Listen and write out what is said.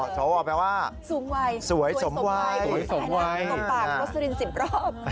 สองว่าสูงวัยสวยสมวัยสายหน้ากลองปากลสริน๑๐รอบ